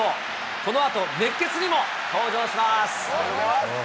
このあと、熱ケツにも登場します。